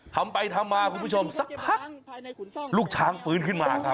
ทำไปทำมาคุณผู้ชมสักพักลูกช้างฟื้นขึ้นมาครับ